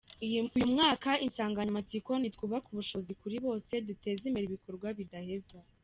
Uyu mwaka Insanganyamatsiko ni “Twubake ubushobozi kuri bose, duteze imbere ibikorwa bidaheza.